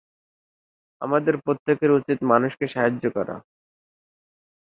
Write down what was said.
শোনার পর রবীন্দ্রনাথ ছবির নামকরণ করেন ‘মুক্তি’।